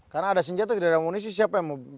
karena ada senjata tidak ada amunisi siapa yang mau